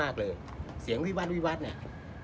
ครับจ้ะ